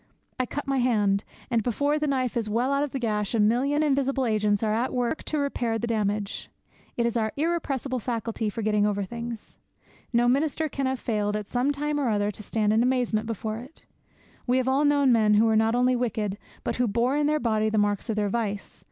I cut my hand; and, before the knife is well out of the gash, a million invisible agents are at work to repair the damage. It is our irrepressible faculty for getting over things. No minister can have failed, at some time or other, to stand in amazement before it. We have all known men who were not only wicked, but who bore in their body the marks of their vice.